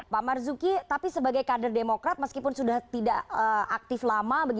pak marzuki tapi sebagai kader demokrat meskipun sudah tidak aktif lama